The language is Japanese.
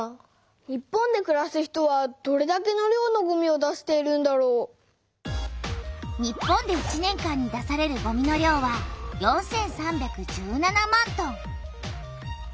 日本でくらす人はどれだけの量のごみを出しているんだろう？日本で１年間に出されるごみの量は４３１７万トン。